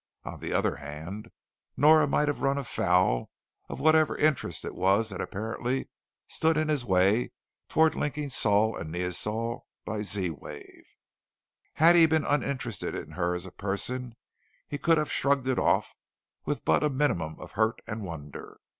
On the other hand, Nora might have run afoul of whatever interest it was that apparently stood in his way towards linking Sol and Neosol by Z wave. Had he been uninterested in her as a person, he could have shrugged it off with but a minimum of hurt and wonder.